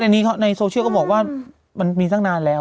ในโซเชียลเขาบอกว่ามันมีสักนานแล้ว